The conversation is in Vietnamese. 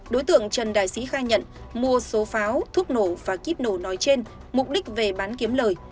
đối tượng trần đại sĩ khai nhận mua số pháo thuốc nổ và kíp nổ nói trên mục đích về bán kiếm lời